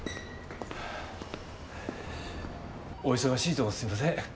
お忙しいとこすいません。